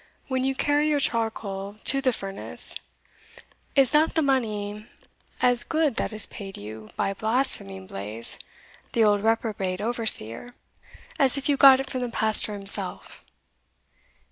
When you carry your charcoal to the furnace, is not the money as good that is paid you by blaspheming Blaize, the old reprobate overseer, as if you got it from the pastor himself?